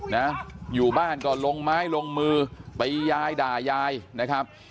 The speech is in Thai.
นะอยู่บ้านก็ลงไม้ลงมือตียายด่ายายนะครับ